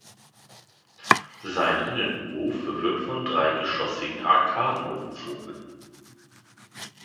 Sein Innenhof wird von dreigeschossigen Arkaden umzogen.